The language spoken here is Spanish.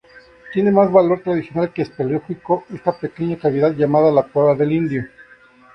Tiene más valor tradicional que espeleológico esta pequeña cavidad llamada la Cueva del Indio.